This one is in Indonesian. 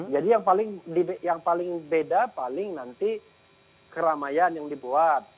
jadi yang paling beda paling nanti keramaian yang dibuat